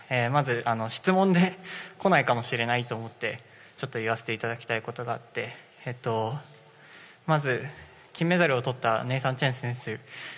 まず、質問で来ないかもしれないと思って言わせていただきたいことがあってまず、金メダルをとったネイサン・チェン選手